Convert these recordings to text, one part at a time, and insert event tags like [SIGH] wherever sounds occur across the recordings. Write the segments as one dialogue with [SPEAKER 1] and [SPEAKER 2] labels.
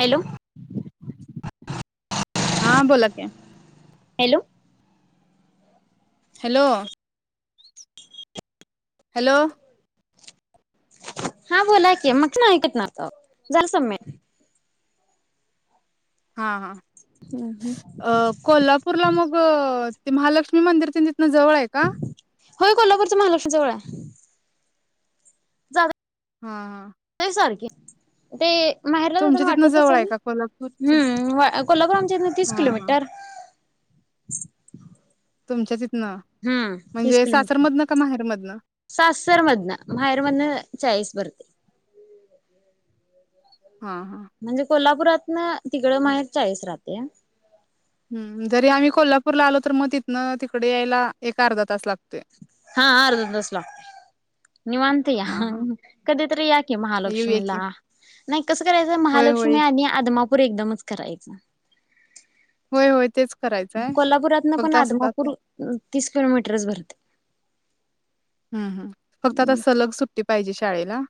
[SPEAKER 1] Hello
[SPEAKER 2] [INAUDIBLE] हा बोला की,
[SPEAKER 1] हॅलो
[SPEAKER 2] हॅलो हॅलो
[SPEAKER 1] हा बोला की मग ना ऐकत नव्हत झालं समिट
[SPEAKER 2] हा हा अ कोल्हापूरला मग अ ते महालक्ष्मी मंदिर कणी तीतन जवळ आहे का?
[SPEAKER 1] होय कोल्हापूरच महालक्ष्मी जवळ हाय
[SPEAKER 2] हा हा
[SPEAKER 1] चालतय ते माहेरला जातान
[SPEAKER 2] तुमच्या तिथनं
[SPEAKER 1] वाटतचं
[SPEAKER 2] जवळ
[SPEAKER 1] हाय
[SPEAKER 2] आहे का
[SPEAKER 1] ना
[SPEAKER 2] कोल्हापूरच
[SPEAKER 1] हम्म होय कोल्हापूर आमच्या हीतन तीस
[SPEAKER 2] हा हा
[SPEAKER 1] किलोमीटर [UNINTELLIGIBLE]
[SPEAKER 2] तुमच्या तीतन
[SPEAKER 1] हम्म तीस किलोमीटर
[SPEAKER 2] माहेरमधनं
[SPEAKER 1] सासरमधनं माहेरमधन चाळीस भर
[SPEAKER 2] हा हा
[SPEAKER 1] म्हणजे कोल्हापुरातन अ तिकडं माहेर चाळीस राहतया.
[SPEAKER 2] हम जरी आम्ही कोल्हापूरला आलो तर मग तिथनं तिकडे यायला एक अर्धा तास लागतो.
[SPEAKER 1] हा अर्धा तास लागतोय निवांत या
[SPEAKER 2] हा हा
[SPEAKER 1] कधि तरी याकी
[SPEAKER 2] येऊया की
[SPEAKER 1] महालक्ष्मीला नाही कसं करायचं
[SPEAKER 2] होय होय
[SPEAKER 1] महालक्ष्मी आणि आदमापूर पूर एकदमच करायच.
[SPEAKER 2] होय होय तेच करायचं आहे
[SPEAKER 1] कोल्हापुरात ना पण
[SPEAKER 2] फक्त असं आता
[SPEAKER 1] आदमापूर तीस किलोमीटरच भरातय.
[SPEAKER 2] हम् हम फक्त आता सलग सुट्टी पाहिजे शाळेला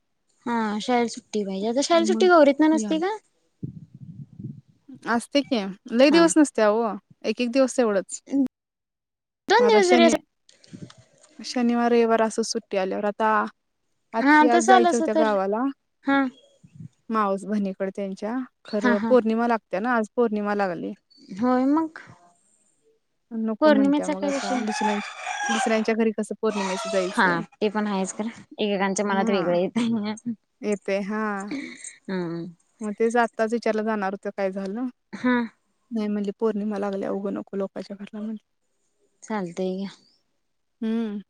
[SPEAKER 1] हा शाळेला सुट्टी पाहिजे आता शाळेला
[SPEAKER 2] मग
[SPEAKER 1] सुट्टी गौरीत ना
[SPEAKER 2] या
[SPEAKER 1] नसती का
[SPEAKER 2] असते के लय
[SPEAKER 1] हा
[SPEAKER 2] दिवस नसतीया ओ एक -एक दिवस तेवढच
[SPEAKER 1] दोन दिवस जरी अस
[SPEAKER 2] शनिवार -रविवार असंच सुट्टी आल्यावर आता
[SPEAKER 1] हा
[SPEAKER 2] आत्ती आज
[SPEAKER 1] तसं आलं
[SPEAKER 2] जायच्या
[SPEAKER 1] असं
[SPEAKER 2] होत्या
[SPEAKER 1] तर
[SPEAKER 2] गावाला
[SPEAKER 1] हा
[SPEAKER 2] मावस भनि कड त्यांच्या
[SPEAKER 1] हा
[SPEAKER 2] खरं
[SPEAKER 1] हा
[SPEAKER 2] पो पौर्णिमा लागते ना, आज पौर्णिमा लागली
[SPEAKER 1] होय मग
[SPEAKER 2] लि नको म्हणत्या,
[SPEAKER 1] पौर्णिमेचा
[SPEAKER 2] मग
[SPEAKER 1] काय
[SPEAKER 2] आता
[SPEAKER 1] विषय
[SPEAKER 2] दुसऱ्यां दुसऱ्यांच्या घरी कस
[SPEAKER 1] हा ते पण आहेच कर एकेकांच्या मनात
[SPEAKER 2] हा
[SPEAKER 1] वेगळं येतय
[SPEAKER 2] येते हा मग ते ज आताच विचारला जाणार काय झालं
[SPEAKER 1] हा
[SPEAKER 2] नाही म्हणजे पौर्णिमा लागल्या उघं नको लोकांच्या घरला
[SPEAKER 1] चालतंय घ्या
[SPEAKER 2] हम्म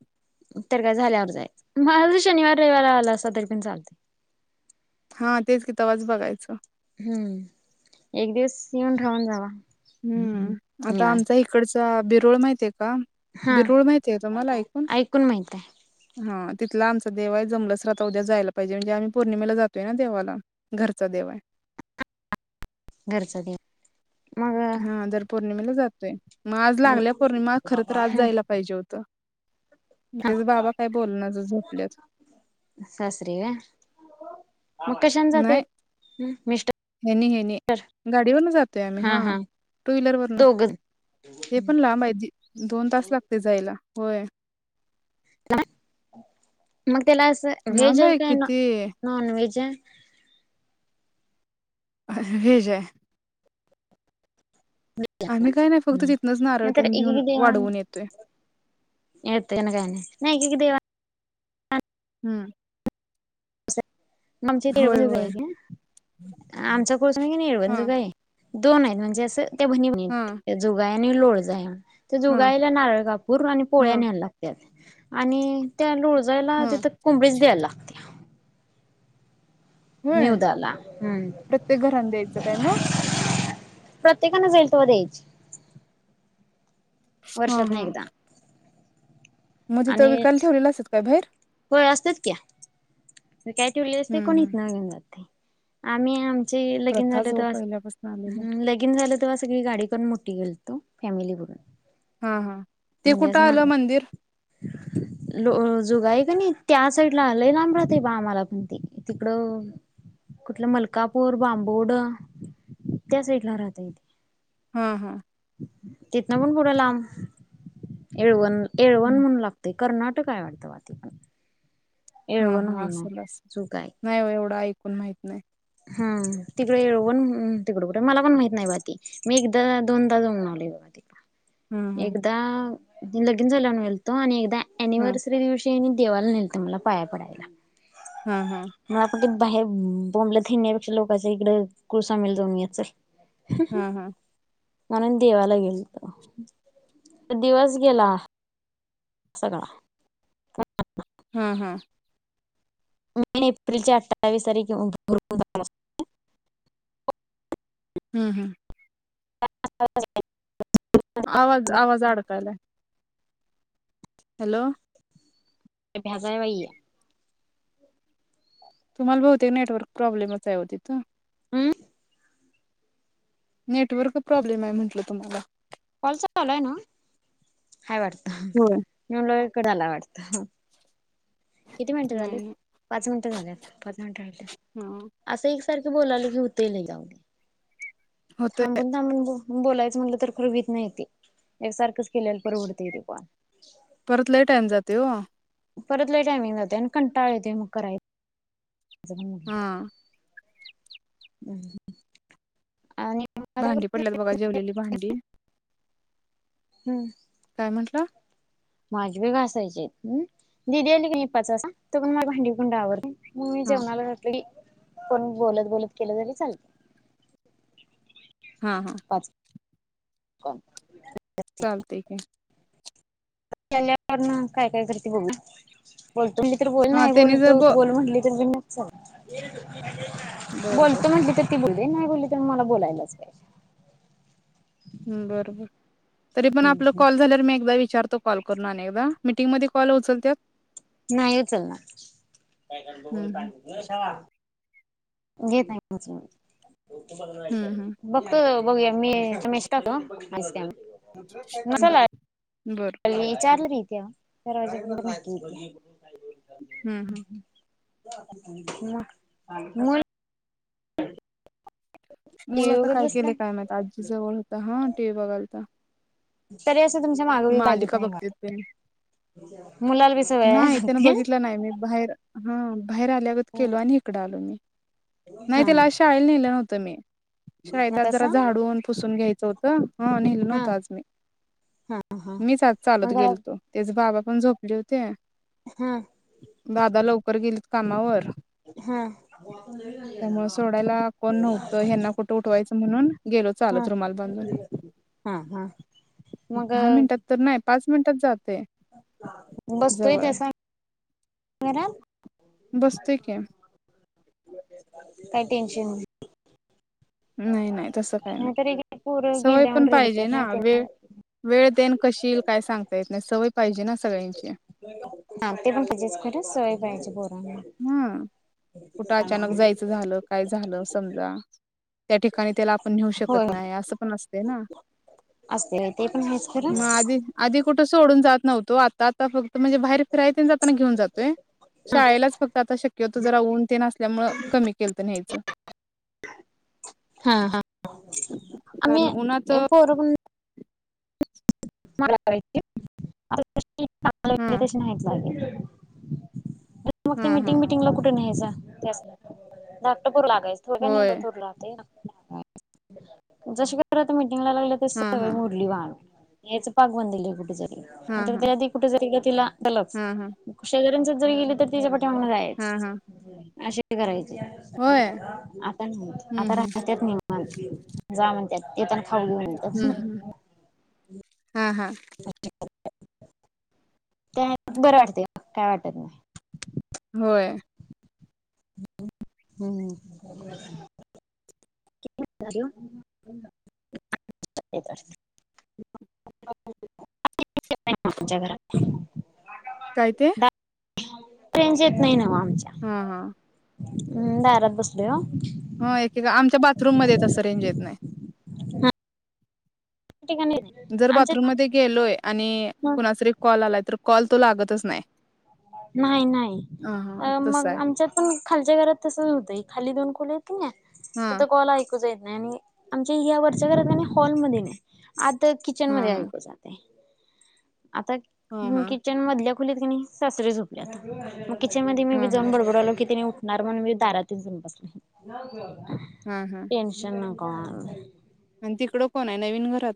[SPEAKER 1] तर काय झाल्यावर जाय म ज शनिवार -रविवार आला असता तरी पण चालतय
[SPEAKER 2] हा तेच कि तवाच बघायचं
[SPEAKER 1] हम्म एक दिवस येऊन राहून जावा
[SPEAKER 2] हम्म आता आमचा
[SPEAKER 1] निवांत
[SPEAKER 2] इकडचा बि रोळ माहिती का
[SPEAKER 1] हा
[SPEAKER 2] बिरुळ माहिती आहे तुम्हाला ऐकून
[SPEAKER 1] माहित आहे
[SPEAKER 2] हा तिथला आमचा देव आहे जमलस तर उद्या जायला पाहिजे, म्हणजे आम्ही पौर्णिमेला जातोय ना देवाला, घरचा देव हाय
[SPEAKER 1] घरचा देव
[SPEAKER 2] हा
[SPEAKER 1] मग
[SPEAKER 2] दर पौ र्णिमेला जातोय म आज लागल्या पौर्णिमा खर तर आज
[SPEAKER 1] ह
[SPEAKER 2] जायला पाहिजे होत झोपल्यात.
[SPEAKER 1] [UNINTELLIGIBLE] सासरी काय म कशानी
[SPEAKER 2] नाही
[SPEAKER 1] जात्यात
[SPEAKER 2] हेनी हेनी गाडीवरन जातोय, आम्ही हा टू व्हीलर वरन
[SPEAKER 1] दोघं
[SPEAKER 2] ते पण लांब आहे दोन तास लागतय जायला होय
[SPEAKER 1] [UNINTELLIGIBLE] त्याला अस व्हेज
[SPEAKER 2] लांब
[SPEAKER 1] हाय
[SPEAKER 2] आहे
[SPEAKER 1] काय न
[SPEAKER 2] किती
[SPEAKER 1] नॉन व्हेज हाय?
[SPEAKER 2] व्हेज हाय.
[SPEAKER 1] [UNINTELLIGIBLE]
[SPEAKER 2] आम्ही काय नाही फक्त
[SPEAKER 1] हं
[SPEAKER 2] तिथनच नारळ
[SPEAKER 1] नाही
[SPEAKER 2] तेन
[SPEAKER 1] एक
[SPEAKER 2] घेऊन
[SPEAKER 1] एक देवान
[SPEAKER 2] वाढवून येतोय.
[SPEAKER 1] येतय काय नाही नई एक एक देवान
[SPEAKER 2] हम्म.
[SPEAKER 1] [INAUDIBLE] [UNINTELLIGIBLE]
[SPEAKER 2] होय होय
[SPEAKER 1] आमचा कोर्स हाय
[SPEAKER 2] हा
[SPEAKER 1] का नई [UNINTELLIGIBLE] दोन आहेत म्हणजे अस त्या भणी भणी
[SPEAKER 2] हा
[SPEAKER 1] हाईत [UNINTELLIGIBLE] आणि लोळ [UNINTELLIGIBLE] तर
[SPEAKER 2] हा
[SPEAKER 1] जुगायला नारळ, कापूर आणि
[SPEAKER 2] हा
[SPEAKER 1] पोळ्या न्यायला लागत्यात. आणि त्या लोळ ला
[SPEAKER 2] हा
[SPEAKER 1] तिथ कोंबडीच द्यायला लागते
[SPEAKER 2] व्हय
[SPEAKER 1] निवदाला हम्म
[SPEAKER 2] प्रत्येक घरानं द्यायच काय मग?
[SPEAKER 1] प्रत्येकान जाईल तवा द्यायची.
[SPEAKER 2] हा
[SPEAKER 1] वर्षातन
[SPEAKER 2] हा
[SPEAKER 1] एकदा.
[SPEAKER 2] मग तिथ
[SPEAKER 1] आणि
[SPEAKER 2] विकायल ठेवलेला असत्यात काय बाहेर.
[SPEAKER 1] होय असत्यात की. काय ठेवली असतय,
[SPEAKER 2] हम्म
[SPEAKER 1] कोणी
[SPEAKER 2] हम्
[SPEAKER 1] इथन घेऊन जातंय. आम्ही आम ते लगीन झाल
[SPEAKER 2] प्रथाच हो
[SPEAKER 1] तवाच
[SPEAKER 2] पहिल्यापासून आलेल्या
[SPEAKER 1] लगिन झाल तवा सगळी गाडी करून मोठी गेल तो फॅमिली भरुन.
[SPEAKER 2] हा, हा ते कुठ आल मंदिर?
[SPEAKER 1] झुगाय की नई त्या साईडला आलं लई लांब रहा बा आम्हाला पण ते. तिकडं कुठलं मलकापूर, बांबवड त्या साईडला राहतय तेे.
[SPEAKER 2] हा, हा.
[SPEAKER 1] तिथन पण पुढ लांब. येळवण येळवण
[SPEAKER 2] हम्म.
[SPEAKER 1] म्हणून लागतंय. कर्नाटक हाय वाट तवा तिन
[SPEAKER 2] हा, हा. असेल, असेल. नाही ओ एवढं ऐक कोण माहित नाही.
[SPEAKER 1] हम्म तिकडं येळवण म्हणून तिकड कुठ आहे. मला पण माहित नाही बा ते मी एकदा, दोनदा जाऊन आलोय बघा
[SPEAKER 2] हम्म
[SPEAKER 1] तिकडं.
[SPEAKER 2] हम्म
[SPEAKER 1] एकदा लगीन झाल्यावर गेलतो आणि एकदा
[SPEAKER 2] हम्म
[SPEAKER 1] एनिव्हर्सरी दिवशी हेनी देवाला नेलत मला पाया पडायला.
[SPEAKER 2] हम्म हम्म
[SPEAKER 1] इथं बाहेर बोंबलत फिरण्यापेक्षा लोकांच्या इकड कुलस्वामीला जाऊन येऊया चल.
[SPEAKER 2] ह ह
[SPEAKER 1] म्हणून देवाला गेलतो. दिवस गेला सगळा
[SPEAKER 2] हा हा
[SPEAKER 1] मे, एप्रिल च्या अठ्ठावीस तारीख किंवा
[SPEAKER 2] हम्म हम्म
[SPEAKER 1] [UNINTELLIGIBLE]
[SPEAKER 2] आवाज आवाज अडकायलाय हॅलो
[SPEAKER 1] भ्याच हाय बाई हे.
[SPEAKER 2] तुम्हाला बहुतेक नेटवर्क प्रॉब्लेमच आहे ओ तिथ.
[SPEAKER 1] हम
[SPEAKER 2] नेटवर्क प्रॉब्लेम आहे म्हंटलं तुम्हाला
[SPEAKER 1] कॉल चालू आहे नव्हं? हाय वाटतं.
[SPEAKER 2] होय
[SPEAKER 1] मी म्हटलोय कड आला वाटत किती मिनिटं
[SPEAKER 2] नाही
[SPEAKER 1] झालेत.
[SPEAKER 2] नाही
[SPEAKER 1] पाच मिनिटं झाले अता पाच मिनिटं राहिल्यात.
[SPEAKER 2] हा
[SPEAKER 1] असं एकसारख तु बोलाली की होतय लई जाऊदे.
[SPEAKER 2] होतय
[SPEAKER 1] थांबून थांबून बो बोलायचं म्हटलं तर फुर व्हित नाही ते एकसारखाच किलेल परवडतंय ते पार
[SPEAKER 2] परत लय टाईम जातोय ओ
[SPEAKER 1] परत लय टायमिंग जातोय आणि कंटाळा येतोय मग कराय
[SPEAKER 2] हा
[SPEAKER 1] हम् आणि
[SPEAKER 2] भांडी पडल्यात बघा जेवलेली. भांडी
[SPEAKER 1] हम्म
[SPEAKER 2] काय म्हंटला?
[SPEAKER 1] माझे बी घासायची आहेत. हम दिदी आली कनी पाच वाजता तो पर्यंत माझी भांडी-कुंड आवरतय. म मी
[SPEAKER 2] हा
[SPEAKER 1] जेवणाला घातली. फोन वर बोलत बोलत केलं तरी चालतय.
[SPEAKER 2] हा हा
[SPEAKER 1] का?
[SPEAKER 2] चालतय की
[SPEAKER 1] केल्यावरन काय काय करती बघू. बोलतो म्हटली तर बोल.
[SPEAKER 2] हा
[SPEAKER 1] नाही
[SPEAKER 2] त्यानी जर
[SPEAKER 1] बोलतो तु
[SPEAKER 2] ब
[SPEAKER 1] बोल म्हटली तरी पीन चल [UNINTELLIGIBLE]
[SPEAKER 2] बर बर
[SPEAKER 1] बोलतो म्हणली तर ती बोल ती नाही बोलली तर मला बोलायलाच पाहिजे.
[SPEAKER 2] बरबर तरी पण आपलं कॉल झाल्या मी एकदा वि विचारतो कॉल करून अनेकदा मीटिंग मध्ये कॉल उचलत्यात
[SPEAKER 1] नाही उचलणार
[SPEAKER 2] हम्म हम्म हम्म
[SPEAKER 1] [UNINTELLIGIBLE] बघतो. बघुया मी मॅसेज टाकतो बसतीया म्हणून
[SPEAKER 2] हम्म
[SPEAKER 1] मसाला
[SPEAKER 2] बर
[SPEAKER 1] हाय विचारलं मी प्या [UNINTELLIGIBLE]
[SPEAKER 2] हम्म हम्म
[SPEAKER 1] मूल मूल
[SPEAKER 2] मुल
[SPEAKER 1] टीव्ही
[SPEAKER 2] तर
[SPEAKER 1] बघत
[SPEAKER 2] काय केले
[SPEAKER 1] बसलाय
[SPEAKER 2] काय माहित, आजी जवळ होत हा टी व्ही बघायलता.
[SPEAKER 1] तरी अस तो तुमच्या मागी लागत
[SPEAKER 2] मालिका
[SPEAKER 1] नाही बा
[SPEAKER 2] बघत्यात तेनी
[SPEAKER 1] हम
[SPEAKER 2] नाही त्यान बघितलं नाही मी बाहेर हा बाहेर आल्यागत केलो आणि इकडं आलो मी. नाही
[SPEAKER 1] हा
[SPEAKER 2] त्याला आज शाळेला नेलं तुमि
[SPEAKER 1] मग
[SPEAKER 2] शाळेत आज जरा
[SPEAKER 1] तसं
[SPEAKER 2] झाडून पुसून घ्यायचं होतं. हा नेल
[SPEAKER 1] हा
[SPEAKER 2] नव्हत आज मी
[SPEAKER 1] हा हा
[SPEAKER 2] मीच आज चालत
[SPEAKER 1] मग जरा
[SPEAKER 2] गेलतो तेच बाबा पण झोपले होत ते
[SPEAKER 1] हम
[SPEAKER 2] दादा लवकर गेलीत कामावर.
[SPEAKER 1] हा
[SPEAKER 2] त्यामूळ सोडायला कोण नव्हतं, हेना कुठं उठवायचं म्हणून गेलो
[SPEAKER 1] हा
[SPEAKER 2] चालत रुमाल बांधून.
[SPEAKER 1] हा हा मग
[SPEAKER 2] दहा मिनटात तर नाय पाच मिनटात जातय
[SPEAKER 1] [UNINTELLIGIBLE] बसतोय त्यास गरम
[SPEAKER 2] बसतोय की
[SPEAKER 1] काही टेन्शन
[SPEAKER 2] नाही नाही तस काय नाही
[SPEAKER 1] नाहीतर एक पोर
[SPEAKER 2] सवय पण
[SPEAKER 1] गेल्यावर रडत्यात
[SPEAKER 2] पाहिजे ना
[SPEAKER 1] नाही
[SPEAKER 2] वेळ वेळ देन कशी येइल काय सांगता येत नाही सवय पाहिजे ना सगळ्यांची
[SPEAKER 1] [UNINTELLIGIBLE]
[SPEAKER 2] हम कुठं अचानक जायचं झालं काय झालं समजा त्या ठिकाणी त्याला आपण नेऊ
[SPEAKER 1] होय
[SPEAKER 2] शकत
[SPEAKER 1] होय
[SPEAKER 2] नाही असं पण असते ना
[SPEAKER 1] असते ते पण आहेच
[SPEAKER 2] मग
[SPEAKER 1] खरं
[SPEAKER 2] आधी आधी कुठे त सोडून ज नवतो आता आता फक्त म्हणजे बाहेर फिराय जाताना घेऊन जातोय शाळेला शक्यतो जरा ऊन तेन अस त्यामुळे कमी केल तर न्यायचं
[SPEAKER 1] हा हा
[SPEAKER 2] कारण उन्हाच
[SPEAKER 1] आम्ही मलाराय ठीक आहे आम्हाला
[SPEAKER 2] हा
[SPEAKER 1] इन्व्हिटेशन हाय काय? मग ते म
[SPEAKER 2] हा हा
[SPEAKER 1] मिटिंग विटंगला कुठे नाही जात त्याच क्टर लागयच थोड्या
[SPEAKER 2] होय
[SPEAKER 1] बथोर लाहते जशी करात म ला
[SPEAKER 2] हा
[SPEAKER 1] सेवे
[SPEAKER 2] हा
[SPEAKER 1] मुडली बा आम्ही हेच पाग बनल कुठेच
[SPEAKER 2] हा
[SPEAKER 1] तर
[SPEAKER 2] हा
[SPEAKER 1] त्या आधी कुठेजरी गेल तरी आलच
[SPEAKER 2] हा हा
[SPEAKER 1] शेजऱ्यांच जर गेली तर तिच्या पाठी जमलय
[SPEAKER 2] हा हा
[SPEAKER 1] अशीच हे खरये
[SPEAKER 2] होय
[SPEAKER 1] आता नाही
[SPEAKER 2] हम्म
[SPEAKER 1] आता
[SPEAKER 2] हम्म
[SPEAKER 1] राहतात निवांत जा म्हणते ते तर थंड
[SPEAKER 2] हम्म
[SPEAKER 1] मिळत
[SPEAKER 2] हम्म हा हा
[SPEAKER 1] ह ते बरं वाटते का काय वाटत नाही.
[SPEAKER 2] होय
[SPEAKER 1] हम् हम्म घरात
[SPEAKER 2] काय ते
[SPEAKER 1] दारात रेंज येत नाही नव्ह आत
[SPEAKER 2] ह ह
[SPEAKER 1] हम दारात बसलोय ओ
[SPEAKER 2] ह एकेका आमच्या बाथरूममध्ये तसं रेंज येत नाही
[SPEAKER 1] हा ठिकाणी
[SPEAKER 2] जर बाथरूम
[SPEAKER 1] आमच्यात
[SPEAKER 2] मध्ये गेलोय आणि
[SPEAKER 1] पण
[SPEAKER 2] कुणाचा तरी एक कॉल आलाय तर कॉल तो लागतच नाही
[SPEAKER 1] नाही
[SPEAKER 2] हा हा
[SPEAKER 1] नाही
[SPEAKER 2] तसं
[SPEAKER 1] मग
[SPEAKER 2] आहे
[SPEAKER 1] आमच्यात पण खालच्या घरात तसच होतंय खाली दोन खोल्या आहेत की नाही
[SPEAKER 2] हा
[SPEAKER 1] तीथं कॉल ऐकू जाय आणि आमच्या या वरच्या घरात की नाही हॉलमध्ये नाही आत तर किचन
[SPEAKER 2] हा
[SPEAKER 1] मध्ये
[SPEAKER 2] हा
[SPEAKER 1] ऐकू जातय आता
[SPEAKER 2] हा हा
[SPEAKER 1] किचन मधल्या खोलीत की नाही सासरे झोपल्यात किचनमध्ये मी
[SPEAKER 2] हा
[SPEAKER 1] बी
[SPEAKER 2] हा
[SPEAKER 1] जाऊन बडबडालो की त्यानी उ नॉर्मल मी दारातच येवुन बसले
[SPEAKER 2] हा हा
[SPEAKER 1] टेन्शन न काय माहित?
[SPEAKER 2] आणि तिकडं कोण आहे? नवीन घरात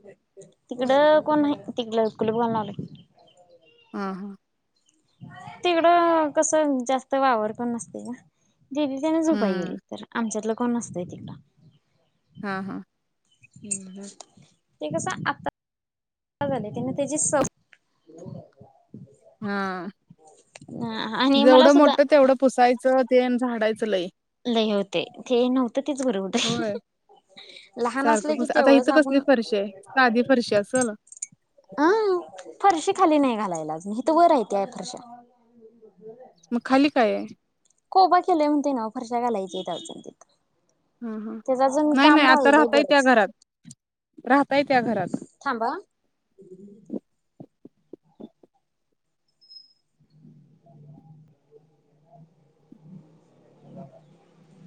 [SPEAKER 1] तिकडं कोण नाही तिकल कुलूप घालुन आलोय
[SPEAKER 2] हा हा
[SPEAKER 1] तिकडं कसं जास्त वावर पण नसते ना दिदी त्यांना झोपाय गेली
[SPEAKER 2] हम्म
[SPEAKER 1] तर आमच्यातलं कोण नसतय तिकड
[SPEAKER 2] हा हा
[SPEAKER 1] ह् ते कसं आता झाले त्यान त्याची सव
[SPEAKER 2] हा
[SPEAKER 1] आणि मला
[SPEAKER 2] जेवढं
[SPEAKER 1] सुद्धा
[SPEAKER 2] मोठ तेवढं पुसायचं ते आणि झाडायचं लय
[SPEAKER 1] लय होते ते नव्हतं तेच बरं होतं
[SPEAKER 2] होय
[SPEAKER 1] हह लहान
[SPEAKER 2] सारखं
[SPEAKER 1] असले की
[SPEAKER 2] पुस आता
[SPEAKER 1] तेवढंच
[SPEAKER 2] इथं कसली
[SPEAKER 1] आपण
[SPEAKER 2] फरशी आहे साधी फरशी असल
[SPEAKER 1] हं फरशी खाली नाही घालायला अजुन इथं वर आहे त्या फरशा
[SPEAKER 2] मग खाली काय आहे
[SPEAKER 1] कोबा केले म्हणते ना फरश्या घालायच्या आहेत अजुन तिथं
[SPEAKER 2] हा हा
[SPEAKER 1] त्याच अजून
[SPEAKER 2] नाही नाही
[SPEAKER 1] काम
[SPEAKER 2] आता
[SPEAKER 1] राहिलंय
[SPEAKER 2] राहताय त्या
[SPEAKER 1] बरंच
[SPEAKER 2] घरात राहताय त्या घरात
[SPEAKER 1] थांबा हा. [INAUDIBLE]